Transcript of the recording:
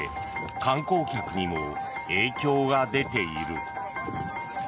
観光客にも影響が出ている。